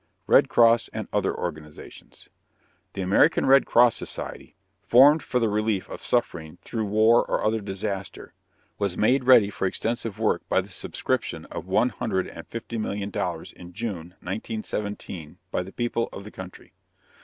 RED CROSS AND OTHER ORGANIZATIONS. The American Red Cross Society, formed for the relief of suffering through war or other disaster, was made ready for extensive work by the subscription of one hundred and fifty million dollars in June, 1917, by the people of the country.